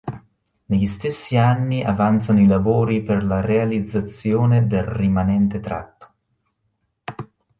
Negli stessi anni avanzavano i lavori per la realizzazione del rimanente tratto.